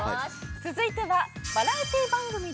続いては。